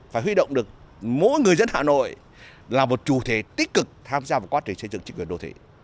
phải huy động được mỗi người dân hà nội là một chủ thể tích cực tham gia vào quá trình xây dựng chính quyền đô thị